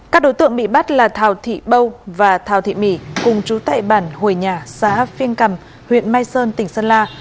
các đối tượng bị bắt là thảo thị bâu và thảo thị mỹ cùng chú tại bản hồi nhà xã phiêng cầm huyện mai sơn tỉnh sơn la